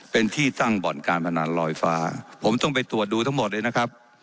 เป็นที่ตั้งบ่อนการพนันลอยฟ้าผมต้องไปตรวจดูทั้งหมดเลยนะครับ